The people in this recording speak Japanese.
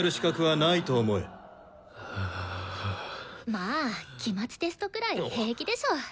まあ期末テストくらい平気でしょ。